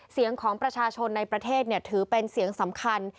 เสียงของประชาชนในประเทศถือเป็นเสียงสำคัญ